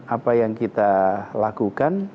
apa yang kita lakukan